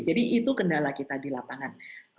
jadi itu kendala kita di lapangan